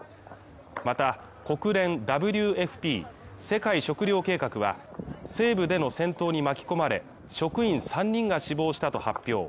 また、国連ＷＦＰ＝世界食糧計画は西部での戦闘に巻き込まれ、職員３人が死亡したと発表。